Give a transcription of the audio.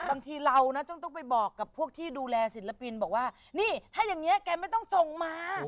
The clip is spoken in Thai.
บางทีเรานะต้องไปบอกกับพวกที่ดูแลศิลปินบอกว่านี่ถ้าอย่างนี้แกไม่ต้องส่งมา